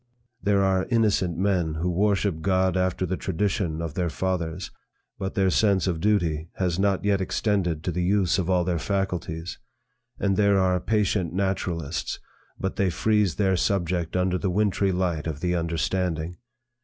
There are innocent men who worship God after the tradition of their fathers, but their sense of duty has not yet extended to the use of all their faculties. And there are patient naturalists, but they freeze their subject under the wintry light of the understanding.